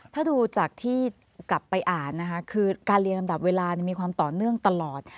ถ้าดูจากที่กลับไปอ่านนะคะคือการเรียงลำดับเวลามีความต่อเนื่องตลอด